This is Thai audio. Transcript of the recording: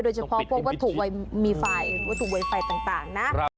โดยเฉพาะพวกวัตถุไว้มีไฟล์วัตถุไวไฟล์ต่างต่างนะ